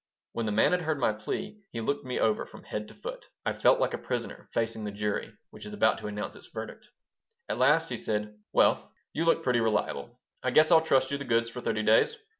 When the man had heard my plea be looked me over from head to foot. I felt like a prisoner facing the jury which is about to announce its verdict At last he said: "Well, you look pretty reliable. I guess I'll trust you the goods for thirty days."